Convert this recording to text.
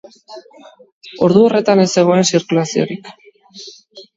Ordu horretan ez zegoen zirkulaziorik.